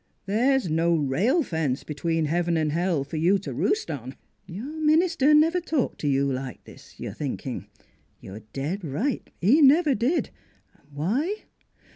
There's no rail fence between heaven and hell for you to roost on! ... Your minister never talked to you like this, you're thinking. You're dead right. He never did. Why?